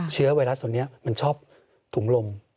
เชื้อไวรัสตัวนี้มันชอบถุงลม